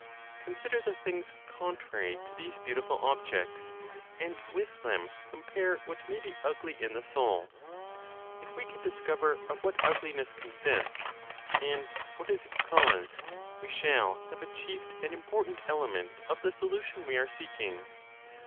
Consider the things contrary to these beautiful objects, and with them compare what may be ugly in the soul. If we can discover of what ugliness consists, and what is its cause, we shall have achieved an important element of the solution we are seeking.